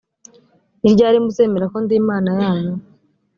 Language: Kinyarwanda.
niryari muzemera ko ndi imana yanyu.